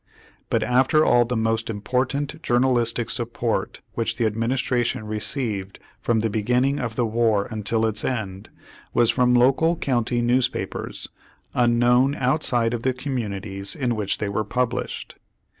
But after all the most important journalistic support which the admin istration received from the beginning of the v/ar until its end, was from local country newspapers, unknown outside of the communities in which they were published.